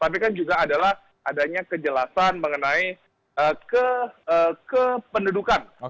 tapi kan juga adalah adanya kejelasan mengenai kependudukan